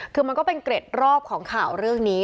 คือมันก็เป็นเกร็ดรอบของข่าวเรื่องนี้